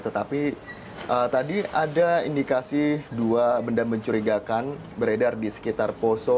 tetapi tadi ada indikasi dua benda mencurigakan beredar di sekitar poso